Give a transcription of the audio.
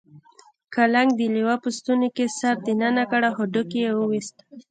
کلنګ د لیوه په ستوني کې سر دننه کړ او هډوکی یې وویست.